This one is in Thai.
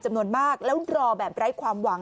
จำนวนมากแล้วรอแบบไร้ความหวัง